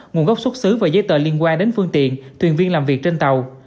nguồn gốc xuất xứ và giấy tờ liên quan đến phương tiện thuyền viên làm việc trên tàu